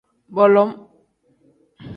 Bolom.